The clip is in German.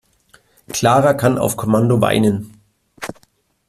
Clara kann auf Kommando weinen.